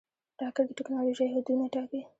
راکټ د ټېکنالوژۍ حدونه ټاکي